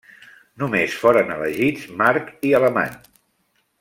Només foren elegits March i Alemany.